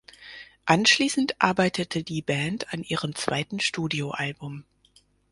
Anschließend arbeitete die Band an ihrem zweiten Studioalbum.